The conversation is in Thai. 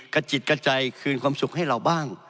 กระจิตกระจายคืนความสุขให้เราบ้าง